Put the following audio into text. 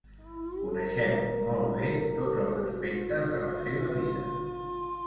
Coneixem molt bé tots els aspectes de la seva vida.